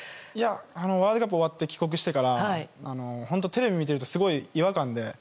ワールドカップが終わって帰国してから本当にテレビを見ているとすごい違和感で。